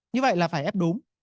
như vậy là phải ép đúng